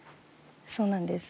そうなんです。